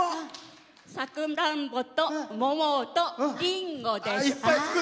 さくらんぼと桃とりんごです。